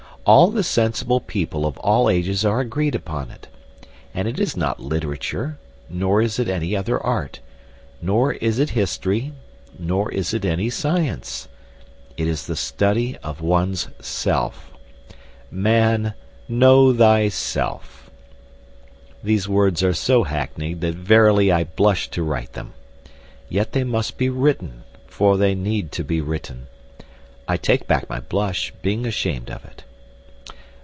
All the sensible people of all ages are agreed upon it. And it is not literature, nor is it any other art, nor is it history, nor is it any science. It is the study of one's self. Man, know thyself. These words are so hackneyed that verily I blush to write them. Yet they must be written, for they need to be written. (I take back my blush, being ashamed of it.)